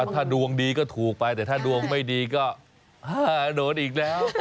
ถ้าดวงดีก็ถูกไปแต่ถ้าดวงไม่ดีก็โดนอีกแล้ว